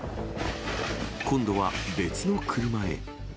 今度は別の車へ。